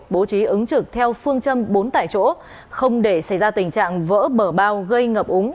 bố trí ứng trực theo phương châm bốn tại chỗ không để xảy ra tình trạng vỡ bờ bao gây ngập úng